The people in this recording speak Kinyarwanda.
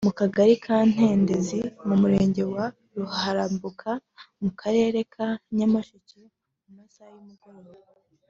mu Kagari ka Ntendezi mu Murenge wa Ruharambuga mu Karere ka Nyamasheke mu masaha y’umugoroba